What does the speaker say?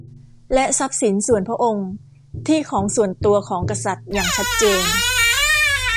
และทรัพย์สินส่วนพระองค์ ที่ของส่วนตัวของกษัตริย์ อย่างชัดเจน